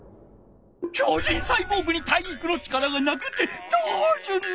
超人サイボーグに体育の力がなくってどうすんの！？